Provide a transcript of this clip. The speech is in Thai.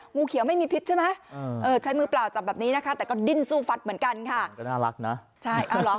งูเขียวไม่มีพิษใช่ไหมใช้มือเปล่าจับแบบนี้นะคะแต่ก็ดิ้นซู่ฟัดเหมือนกันค่ะ